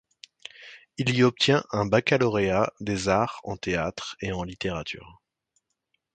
Il y obtient un baccalauréat des arts en théâtre et en littérature.